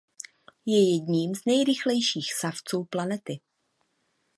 Je jedním z nejrychlejších savců planety.